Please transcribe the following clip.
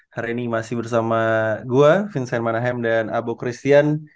hari ini masih bersama gue vincent manahem dan abo christian